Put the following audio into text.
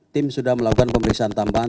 tim sudah melakukan pemeriksaan tambahan